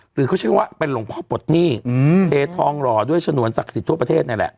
หรือเขาชื่อว่าเป็นหลวงพ่อปลดหนี้เททองหล่อด้วยฉนวนศักดิ์สิทธิทั่วประเทศนั่นแหละ